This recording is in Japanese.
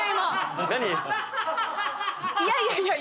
いやいやいや今。